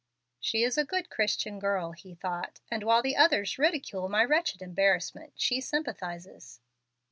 "She is a good Christian girl," he thought, "and while the others ridicule my wretched embarrassment, she sympathizes."